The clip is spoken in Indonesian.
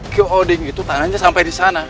kio oding itu tanahnya sampai disana